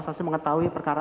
saksi mengetahui perkara apa